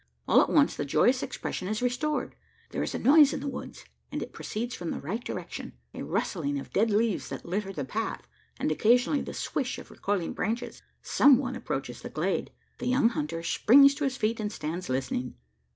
All at once the joyous expression is restored. There is a noise in the woods, and it proceeds from the right direction a rustling of dead leaves that litter the path, and occasionally the "swish" of recoiling branches. Some one approaches the glade. The young hunter springs to his feet, and stands listening.